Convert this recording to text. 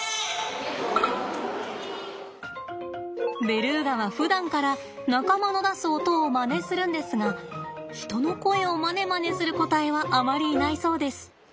ベルーガはふだんから仲間の出す音をまねするんですが人の声をまねまねする個体はあまりいないそうです。